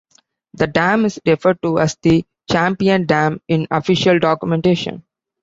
The dam is referred to as the Champion Dam in official documentation.